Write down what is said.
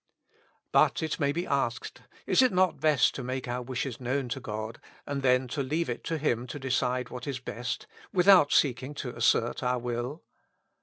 But, it may be asked, is it not best to make our wishes known to God, and then to leave it to Him to decide what is best, without seeking to assert our will